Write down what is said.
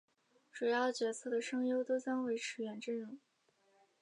主要角色的声优都将维持原阵容。